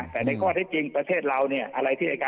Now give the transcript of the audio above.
แต่ในความที่จริงประเทศเรานี่